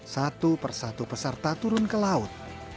satu persatu peserta turun ke laut